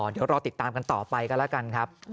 เดี๋ยวรอติดตามกันต่อไปกันแล้วกันครับ